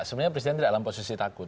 sebenarnya presiden tidak dalam posisi takut